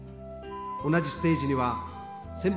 同じステージには先輩